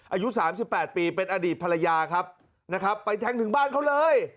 อายุสามสิบแปดปีเป็นอดีตภรรยาครับนะครับไปแทงถึงบ้านเขาเลย